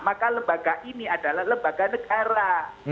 maka lembaga ini adalah lembaga negara